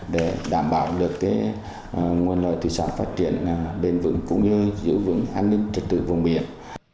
để đảm bảo được nguồn lợi thủy sản phát triển bền vững cũng như giữ vững an ninh trật tự vùng biển